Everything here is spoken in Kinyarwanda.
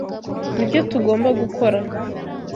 Nibyo tugomba gukora.